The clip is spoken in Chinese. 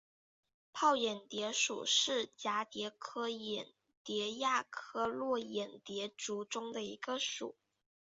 泡眼蝶属是蛱蝶科眼蝶亚科络眼蝶族中的一个属。